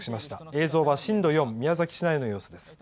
映像は震度４、宮崎市内の様子です。